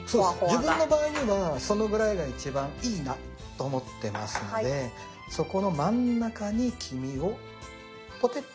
自分の場合にはそのぐらいが一番いいなと思ってますのでそこの真ん中に黄身をポテッ。